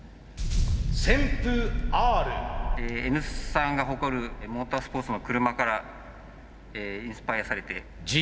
Ｎ産が誇るモータースポーツの車からインスパイアされて。